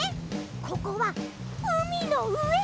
ここはうみのうえ。